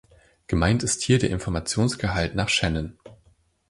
Gemeint ist hier der Informationsgehalt nach Shannon.